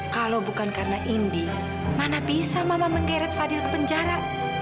kalau bukan karena indi mana bisa mama menggeret fadil ke penjara